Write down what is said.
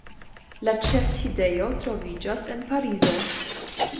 La ĉefsidejo troviĝas en Parizo.